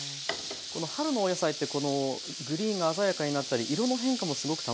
この春のお野菜ってこのグリーンが鮮やかになったり色の変化もすごく楽しみですよね。